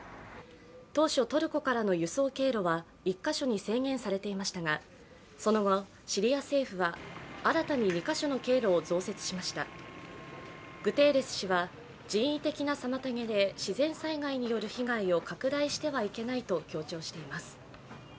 当初、トルコからの輸送経路は１か所に制限されていましたがその後、シリア政府は新たに２か所の経路を増設しましたグテーレス氏は人為的な妨げで自然災害による被害を拡大してはいけないと強調しています。